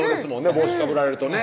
帽子かぶられるとね